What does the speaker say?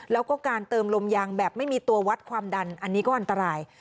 แล้วก็การเติมลมยางแบบไม่มีตัววัดความดันอันนี้ก็อันตราย